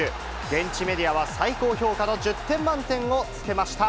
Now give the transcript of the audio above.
現地メディアは最高評価の１０点満点をつけました。